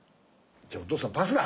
じゃあお父さんパスだ！